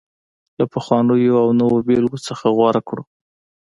له پخوانيو او نویو بېلګو څخه غوره کړو